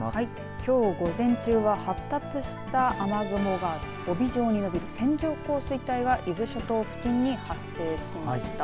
きょう午前中は発達した雨雲が帯状に延びる線状降水帯が伊豆諸島付近に発生しました。